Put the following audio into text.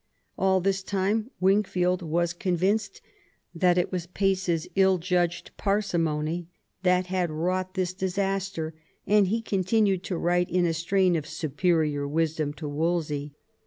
All this time Wingfield was convinced that it was Pace's ill judged parsimony that had wrought this disaster, and he continued to write in a strain of superior wisdom to Wolsey.